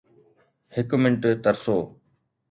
هڪ منٽ ترسو